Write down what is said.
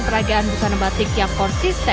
peragaan busana batik yang konsisten